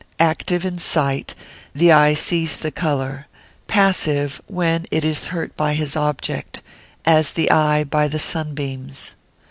Active in sight, the eye sees the colour; passive when it is hurt by his object, as the eye by the sunbeams.